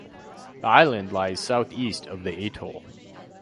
The island lies the south east of the atoll.